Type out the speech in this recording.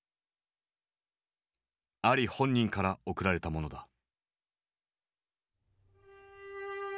アリ本人から贈られたものだ。